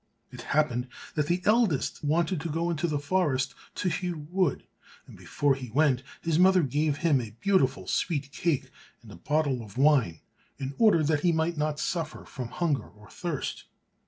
It happened that the eldest wanted to go into the forest to hew wood, and before he went his mother gave him a beautiful sweet cake and a bottle of wine in order that he might not suffer from hunger or thirst.